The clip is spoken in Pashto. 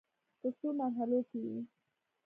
په څو مرحلو کې وې.